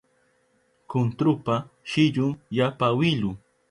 Kuntrupa shillun yapa wilu